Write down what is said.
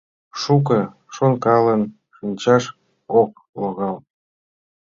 Шуко шонкален шинчаш ок логал.